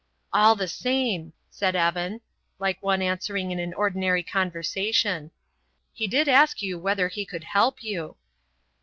"All the same," said Evan, like one answering in an ordinary conversation, "he did ask you whether he could help you."